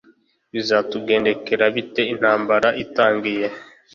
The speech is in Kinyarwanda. Bizatugendekera bite intambara itangiye?